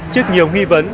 trước nhiều nghi vấn